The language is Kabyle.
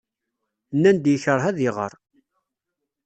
Nnan-d yekṛeh ad iɣer.